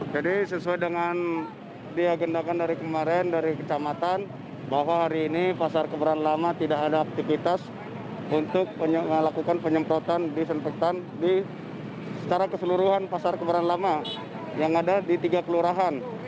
jadi sesuai dengan diagendakan dari kemarin dari kecamatan bahwa hari ini pasar kebayoran lama tidak ada aktivitas untuk melakukan penyemprotan disinfektan di secara keseluruhan pasar kebayoran lama yang ada di tiga kelurahan